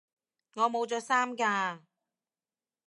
我冇着衫㗎